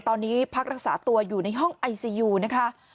ตอนนี้พักรักษาตัวอยู่ในห้องไอซียูนะคะ